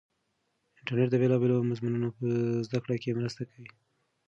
انټرنیټ د بېلابېلو مضمونو په زده کړه کې مرسته کوي.